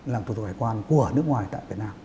làm tổng cục hải quan của nước ngoài tại việt nam